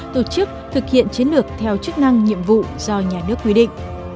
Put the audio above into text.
tổ chức thực hiện chiến lược theo chức năng nhiệm vụ do nhà nước quy định